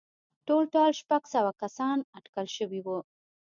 ټولټال شپږ سوه کسان اټکل شوي وو